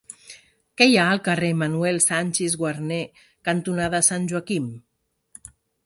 Què hi ha al carrer Manuel Sanchis Guarner cantonada Sant Joaquim?